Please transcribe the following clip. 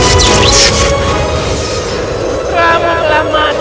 aku akan menangkapmu